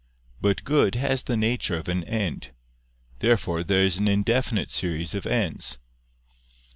But good has the nature of an end. Therefore there is an indefinite series of ends.